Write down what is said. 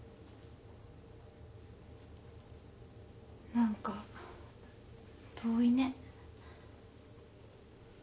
何か遠いね。